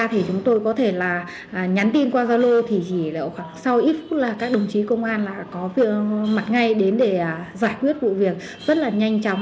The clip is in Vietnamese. thì chúng tôi có thể là nhắn tin qua gia lô thì chỉ sau ít phút là các đồng chí công an có mặt ngay đến để giải quyết vụ việc rất là nhanh chóng